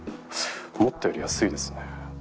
思ったより安いですね。